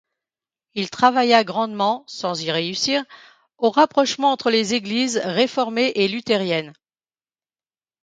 Il travailla grandement, sans y réussir, au rapprochement entre les Églises réformée et luthérienne.